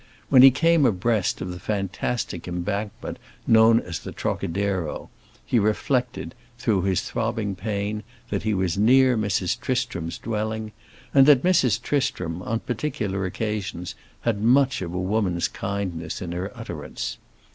When he came abreast of the fantastic embankment known as the Trocadero, he reflected, through his throbbing pain, that he was near Mrs. Tristram's dwelling, and that Mrs. Tristram, on particular occasions, had much of a woman's kindness in her utterance.